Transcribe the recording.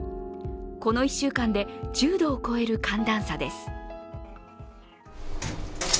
この１週間で１０度を超える寒暖差です。